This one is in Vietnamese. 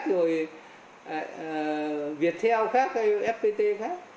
rồi viettel khác fpt khác